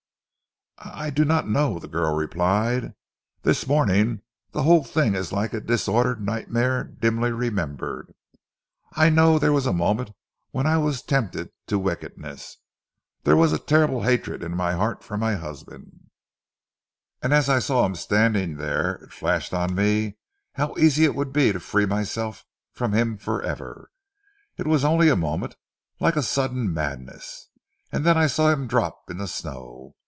"I do not know," the girl replied. "This morning the whole thing is like a disordered nightmare dimly remembered. I know there was a moment when I was tempted to wickedness. There was a terrible hatred in my heart for my husband, and as I saw him standing there, it flashed on me how easy it would be to free myself from him for ever. It was only a moment like a sudden madness, and then I saw him drop in the snow....